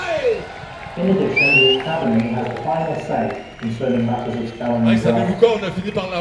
In addition, the academy has the "final say" concerning matters of spelling and grammar.